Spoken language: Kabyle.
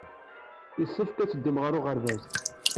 Yessefk ad teddum ɣer uɣerbaz.